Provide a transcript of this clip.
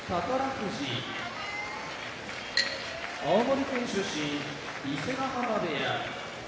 富士青森県出身伊勢ヶ濱部屋